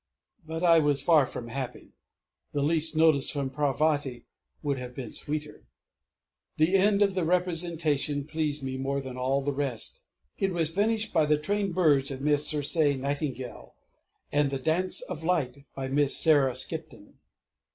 But I was far from happy; the least notice from Parvati would have been sweeter! The end of the representation pleased me more than all the rest; it was finished by the trained Birds of Miss Circé Nightingale, and the "Dance of Light" by Miss Sarah Skipton.